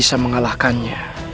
aku bisa mengalahkannya